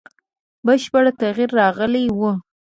بشپړ تغییر راغلی وو.